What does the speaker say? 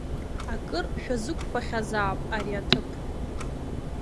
Акыр шәазықәԥахьазаап ари аҭыԥ.